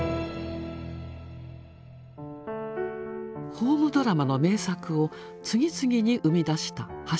ホームドラマの名作を次々に生み出した橋田壽賀子さん。